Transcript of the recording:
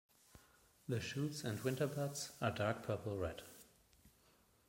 The shoots and winter buds are dark purple-red.